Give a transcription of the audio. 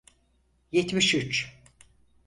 Yetmiş üç